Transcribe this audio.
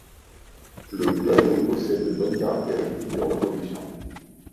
Le Gayo possède de bonnes caractéristiques de reproduction.